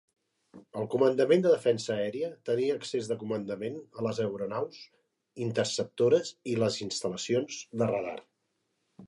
El Comandament de Defensa aèria tenia accés de comandament a les aeronaus interceptores i les instal·lacions de radar.